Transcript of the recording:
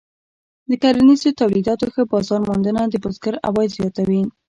د کرنیزو تولیداتو ښه بازار موندنه د بزګر عواید زیاتوي.